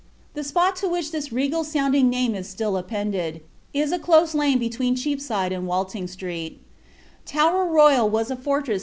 The spot to which this regal sounding name is still appended, is a close lane between Chespside and Watling Street Tower^Royal was a fortress > Hist.